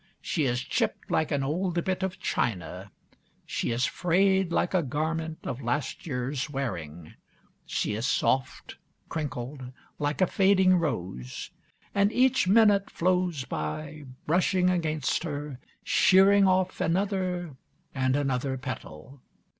She is chipped like an old bit of china; she is frayed like a garment of last year's wearing. She is soft, crinkled, like a fading rose. And each minute flows by brushing against her, shearing off another and another petal.